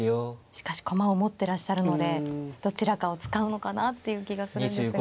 しかし駒を持ってらっしゃるのでどちらかを使うのかなっていう気がするんですが。